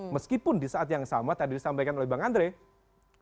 meskipun di saat yang sama tadi disampaikan oleh bang andre mencoba untuk sangat berhati hati